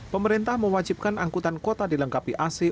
pemerintah mewajibkan angkutan kota dilengkapi ac